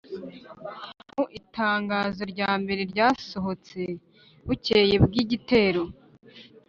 mu itangazo rya mbere ryasohotse bukeye bw'igitero,